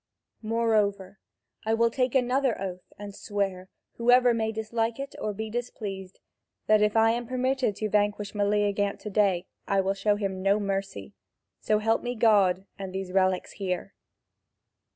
Moreover, I will take another oath and swear, whoever may dislike it or be displeased, that if I am permitted to vanquish Meleagant to day, I will show him no mercy, so help me God and these relics here!"